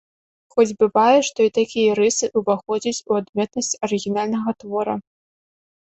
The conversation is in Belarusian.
Хоць бывае, што і такія рысы ўваходзяць у адметнасць арыгінальнага твора.